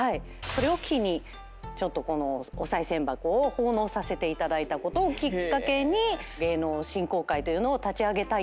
それを機にちょっとこのお賽銭箱を奉納させていただいたことをきっかけに芸能振興会というのを立ち上げたいんです。